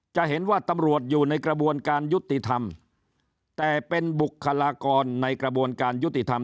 จะเห็นว่าตำรวจอยู่ในกระบวนการยุติธรรมแต่เป็นบุคลากรในกระบวนการยุติธรรม